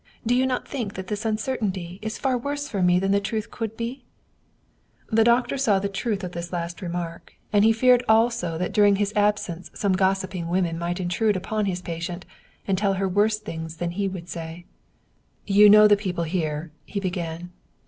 Do you not think that this un certainty is far worse for me than the truth could be ?" The doctor saw the truth of this last remark, and he 94 Wilhelm Hauff feared also that during his absence some gossiping woman might intrude upon his patient and tell her worse things than he would say. " You know the people here," he began.